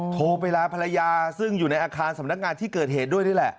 โทรไปลาภรรยาซึ่งอยู่ในอาคารสำนักงานที่เกิดเหตุด้วยนี่แหละ